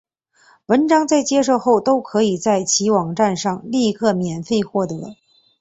文章在接受后都可以在其网站上立即免费获得。